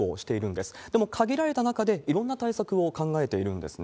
でも、限られた中でいろんな対策を考えているんですね。